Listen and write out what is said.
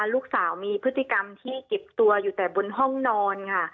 ลูกสาวมีพฤติกรรมที่เก็บตัวอยู่แต่บนห้องนอนค่ะ